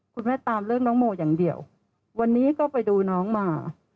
คุณแม่ตามเรื่องน้องโมอย่างเดียววันนี้ก็ไปดูน้องมา